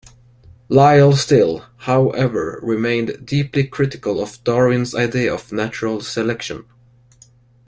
Lyell still, however, remained deeply critical of Darwin's idea of natural selection.